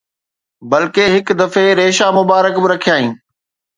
بلڪه هڪ دفعي ريشا مبارڪ به رکيائين